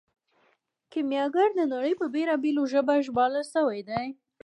کیمیاګر د نړۍ په بیلابیلو ژبو ژباړل شوی دی.